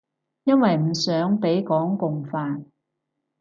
因為唔想畀港共煩